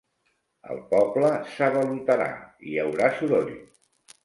El poble s'avalotarà: hi haurà soroll.